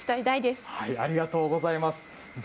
ありがとうございます。